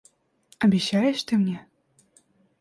Обещаешь ты мне?...